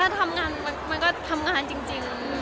ถ้าทำงานมันก็ทำงานจริง